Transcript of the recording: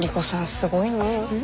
すごいね。